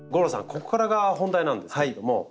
ここからが本題なんですけれども。